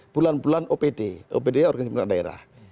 bulan bulan opd opd adalah organisasi perusahaan daerah